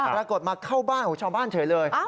ปรากฏมาเข้าชาวบ้านเฉยเลย